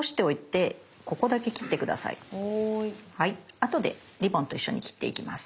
あとでリボンと一緒に切っていきます。